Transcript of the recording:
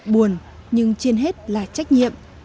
buồn nhưng trên hết là trách nhiệm